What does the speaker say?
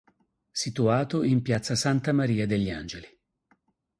Situato in piazza Santa Maria degli Angeli.